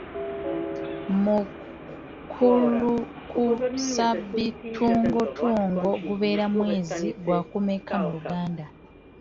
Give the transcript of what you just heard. Mukulukusabitungotungo gubeera mwezi gwakumeka mu Luganda?.